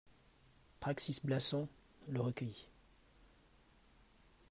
Praxi-Blassans le recueillit.